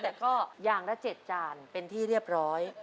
แต่ก็อย่างละ๗จานเป็นที่เรียบร้อย